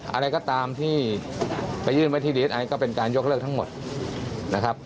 อะไรก็ตามที่ไปยื่นไว้ที่ดีเอสไอก็เป็นการยกเลิกทั้งหมดนะครับ